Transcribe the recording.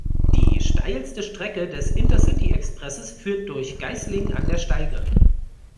Die steilste Strecke des Intercity-Expresses führt durch Geislingen an der Steige.